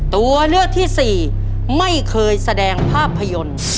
ตัวเลือกที่สี่ไม่เคยแสดงภาพยนตร์